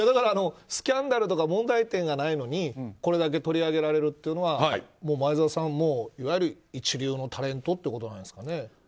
スキャンダルとか問題点がないのにこれだけ取り上げられるというのは前澤さん、いわゆる一流のタレントってことですかね。